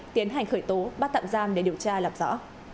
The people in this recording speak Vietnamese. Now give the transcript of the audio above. tiến hành khởi tố bắt tạm giam để điều tra làm rõ